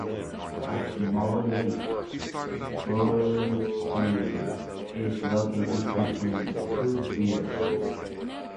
A small lake, Burgseeli is located between the two villages.